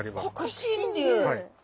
はい。